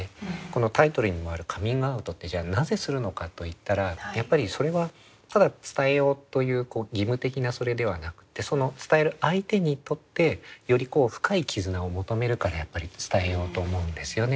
このタイトルにもあるカミングアウトってじゃあなぜするのかといったらやっぱりそれはただ伝えようという義務的なそれではなくてその伝える相手にとってより深い絆を求めるからやっぱり伝えようと思うんですよね。